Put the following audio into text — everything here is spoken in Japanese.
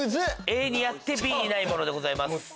ＡにあってＢにないものでございます。